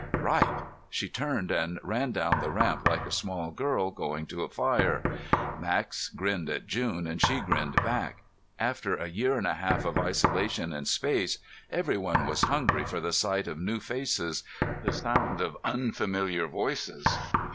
"Right!" She turned and ran down the ramp like a small girl going to a fire. Max grinned at June and she grinned back. After a year and a half of isolation in space, everyone was hungry for the sight of new faces, the sound of unfamiliar voices.